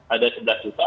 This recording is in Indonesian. ada sebelas juta